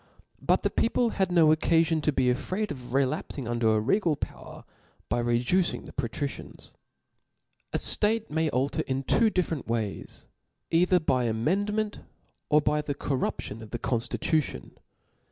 But the people hacj no Qccafion tp be afraid of relapfing under a regal pbwer, by reducing the Patricians. A ftate may alter two different ways, either hj the amendment or by the corruption of the conftit tunon.